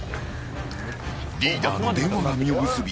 リーダーの電話が実を結び